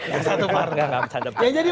yang satu partai ya jadi